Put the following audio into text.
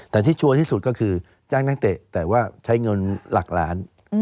แต่ที่ชัวร์ที่สุดก็คือจ้างนักเตะแต่ว่าใช้เงินหลักล้าน